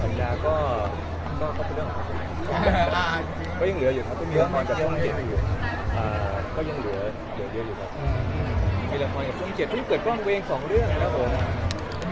มันมีข่าวเรื่องของทุกคนเข้ามามันมีข่าวต่อไปไหมครับ